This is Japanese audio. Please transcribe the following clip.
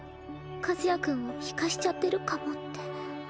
和也君をひかしちゃってるかもって。